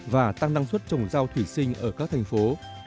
và tăng năng suất trồng rau thủy sinh ở các thành phố